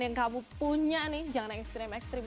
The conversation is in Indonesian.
yang kamu punya nih jangan yang extreme extreme